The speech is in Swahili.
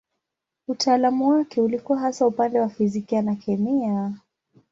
Utaalamu wake ulikuwa hasa upande wa fizikia na kemia.